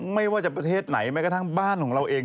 ไม่ว่าจะประเทศไหนแม้กระทั่งบ้านของเราเอง